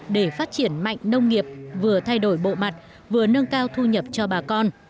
để phát triển mạnh nông nghiệp vừa thay đổi bộ mặt vừa nâng cao thu nhập cho bà con